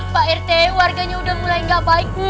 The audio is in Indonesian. pak rt warganya udah mulai gak baik bu